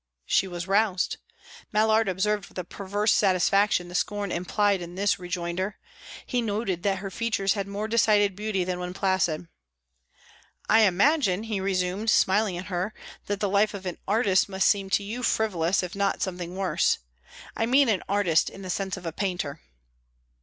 She was roused. Mallard observed with a perverse satisfaction the scorn implied in this rejoinder. He noted that her features had more decided beauty than when placid. "I imagine," he resumed, smiling at her, "that the life of an artist must seem to you frivolous, if not something worse. I mean an artist in the sense of a painter."